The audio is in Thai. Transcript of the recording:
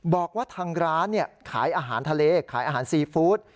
บอกว่าทางร้านขายอาหารทะเลขายอาหารซีฟู้ด